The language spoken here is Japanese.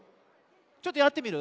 ちょっとやってみる？